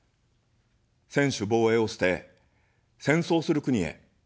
専守防衛を捨て、戦争する国へ。